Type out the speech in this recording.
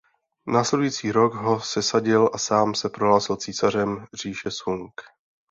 Následující rok ho sesadil a sám se prohlásil císařem říše Sung.